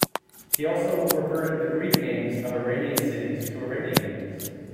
He also reverted the Greek names of Iranian cities to Iranian names.